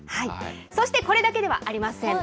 そしてこれだけではありません。